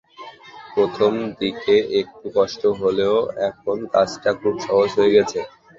প্রথম দিকে একটু কষ্ট হলেও এখন কাজটা খুব সহজ হয়ে গেছে।